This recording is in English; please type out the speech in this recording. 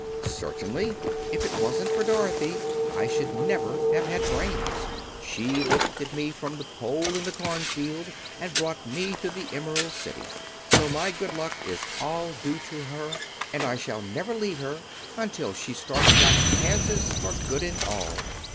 "Certainly. If it wasn't for Dorothy I should never have had brains. She lifted me from the pole in the cornfield and brought me to the Emerald City. So my good luck is all due to her, and I shall never leave her until she starts back to Kansas for good and all."